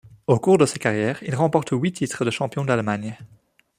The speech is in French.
Au cours de sa carrière, il remporte huit titres de champion d'Allemagne.